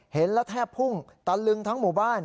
เห็นแล้วแทบพุ่งตะลึงทั้งหมู่บ้าน